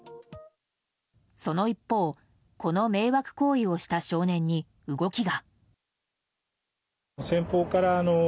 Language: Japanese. その一方、この迷惑行為をした少年に動きが。